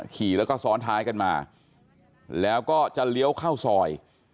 ขี่แล้วก็ซ้อนท้ายกันมาแล้วก็จะเลี้ยวเข้าซอย